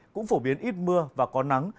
cũng phổ biến ít mưa và có nắng